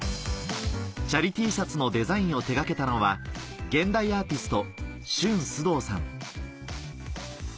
チャリＴシャツのデザインを手掛けたのは現代アーティストＳＨＵＮＳＵＤＯさん